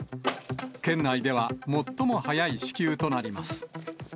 県内では最も早い支給となります。